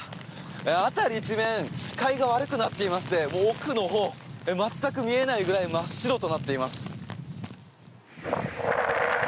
辺り一面視界が悪くなっていまして奥のほう、全く見えないぐらい真っ白になっています。